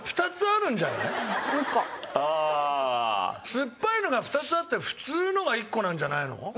すっぱいのが２つあって普通のが１個なんじゃないの？